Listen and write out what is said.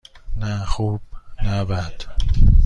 نه خوب - نه بد.